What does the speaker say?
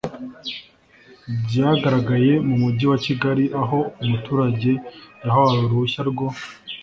byagaragaye mu Mujyi wa Kigali aho umuturage yahawe uruhushya rwo